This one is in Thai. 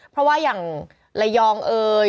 เพราะว่าอย่างระยองเอ่ย